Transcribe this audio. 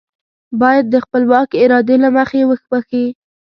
بايد د خپلواکې ارادې له مخې يې وبښي.